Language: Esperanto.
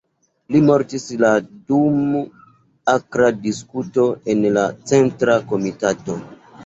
Li mortis la dum akra diskuto en la Centra Komitato.